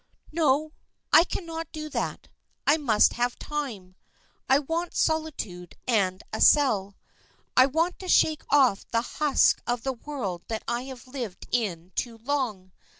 "No, I cannot do that. I must have time. I want solitude and a cell. I want to shake off the husk of the world I have lived in too long.